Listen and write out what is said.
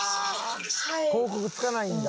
広告つかないんだ。